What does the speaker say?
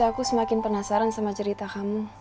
aku semakin penasaran sama cerita kamu